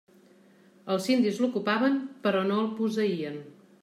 Els indis l'ocupaven, però no el posseïen.